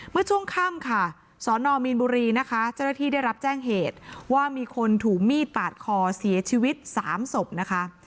เมื่อช่วงค่ำค่ะสนมีนบุรีนะคะเจ้าหน้าที่ได้รับแจ้งเหตุว่ามีคนถูกมีดปาดคอเสียชีวิต๓ศพนะคะ